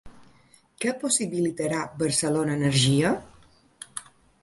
Què possibilitarà Barcelona Energia?